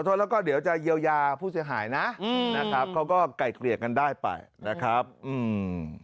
โทษแล้วก็เดี๋ยวจะเยียวยาผู้เสียหายนะอืมนะครับเขาก็ไก่เกลี่ยกันได้ไปนะครับอืม